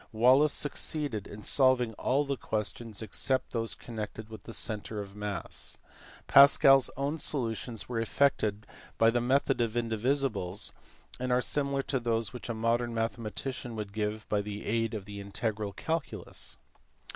Wallis succeeded in solving all the questions except those connected with the centre of mass. Pascal s own solutions were effected by the method of indivisibles, and are similar to those which a modern mathematician would give by the aid of the integral calculus.